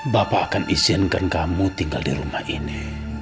bapak akan izinkan kamu tinggal di rumah ini